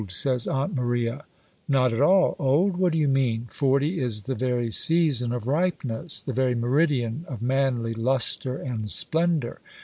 says Aunt Maria. Not at all. Old? What do you mean? Forty is the very season of ripeness,—the very meridian of manly lustre and splendour.